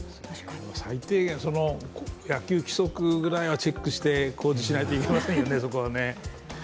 最低限、野球規則ぐらいはチェックして、工事しないといけませんよ